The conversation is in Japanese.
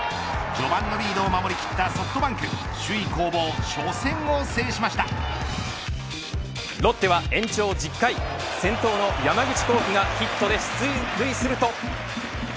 序盤のリードを守りきったソフトバンクロッテは延長１０回先頭の山口航輝がヒットで出塁すると。